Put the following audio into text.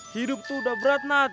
hidup tuh udah berat nat